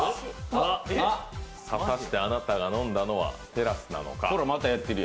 果たしてあなたが飲んだのはＴｅｒａｓｕなのか？